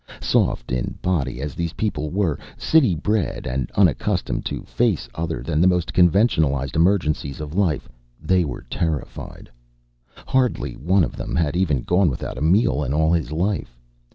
Soft in body as these people were, city bred and unaccustomed to face other than the most conventionalized emergencies of life, they were terrified. Hardly one of them had even gone without a meal in all his life.